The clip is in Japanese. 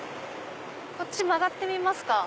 こっち曲がってみますか。